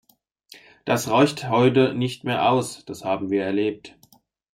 Das reicht heute nicht mehr aus, das haben wir erlebt.